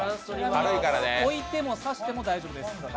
置いても刺しても大丈夫です。